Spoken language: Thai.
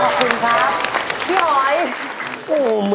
ค่ะขอบคุณค่ะพี่หอย